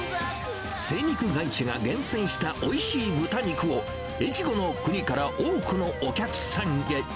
精肉会社が厳選したおいしい豚肉を、越後の国から多くのお客さんへ。